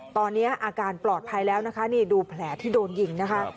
ตอนนี้อาการปลอดภัยแล้วนะคะนี่ดูแผลที่โดนยิงนะคะ